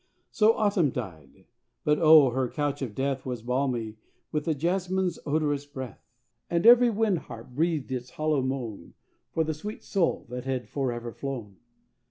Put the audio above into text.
So Autumn died, but oh, her couch of death Was balmy with the jasmineâs odorous breath, And every wind harp breathed its hollow moan For the sweet soul that had forever flown.